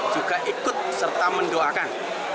juga ikut serta mendoakan